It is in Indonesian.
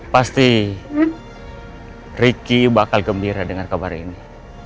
pasti ricky bakal gembira dengan kabar ini